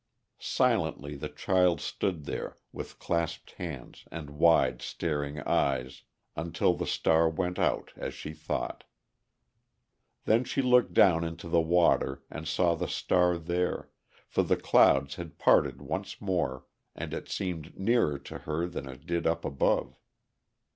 Silently the child stood there, with clasped hands and wide, staring eyes, until the star went out, as she thought. Then she looked down into the water, and saw the star there, for the clouds had parted once more, and it seemed nearer to her than it did up above.